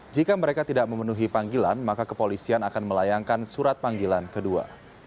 jika mereka tidak memenuhi panggilan maka kepolisian akan melayangkan surat panggilan kedua